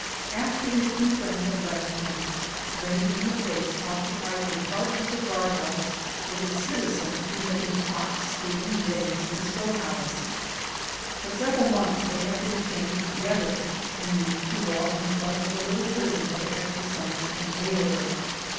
After his two friends had left him, Rain in the face occupied a part of the guard house with a citizen who had been caught stealing grain from the storehouse. For several months they had been chained together, and used to walk in front of the little prison for exercise and air.